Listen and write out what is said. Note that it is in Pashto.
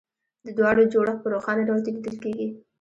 د دواړو جوړښت په روښانه ډول لیدل کېږي